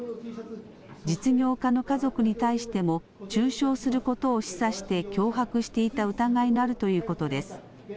実業家の家族に対しても、中傷することを示唆して脅迫していた疑いがあるということです。